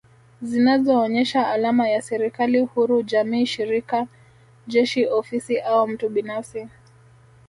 Zinazoonyesha alama ya serikali huru jamii shirika jeshi ofisi au mtu binafsi